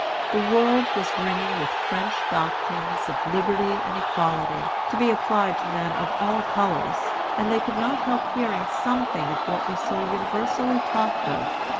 The world was ringing with French doctrines of liberty and equality, to be applied to men of all colors; and they could not help hearing something of what was so universally talked of.